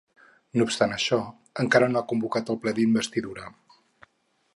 No obstant això, encara no ha convocat el ple d’investidura.